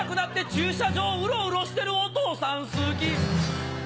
駐車場ウロウロしてるお父さん好き